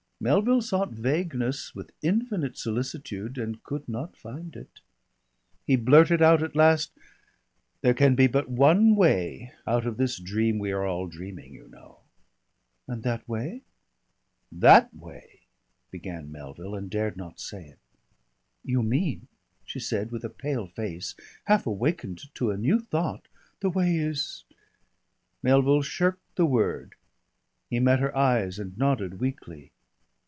Melville sought vagueness with infinite solicitude, and could not find it. He blurted out at last: "There can be but one way out of this dream we are all dreaming, you know." "And that way?" "That way " began Melville and dared not say it. "You mean," she said, with a pale face, half awakened to a new thought, "the way is ?" Melville shirked the word. He met her eyes and nodded weakly.